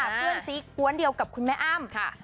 เพื่อนซีอีกกว้นเดียวกับแม่อ้ำ